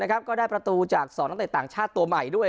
ก็ได้ประตูจาก๒นักเตะต่างชาติตัวใหม่ด้วย